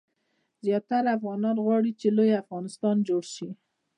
زیاتره افغانان غواړي چې لوی افغانستان جوړ شي.